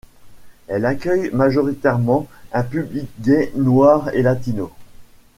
Elle accueille majoritairement un public gay noir et latino.